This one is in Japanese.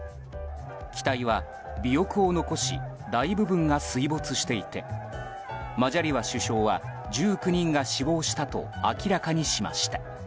機体は尾翼を残し大部分が水没していてマジャリワ首相は１９人が死亡したと明らかにしました。